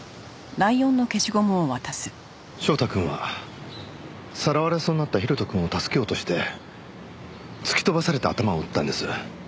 翔太くんはさらわれそうになった広斗くんを助けようとして突き飛ばされて頭を打ったんです。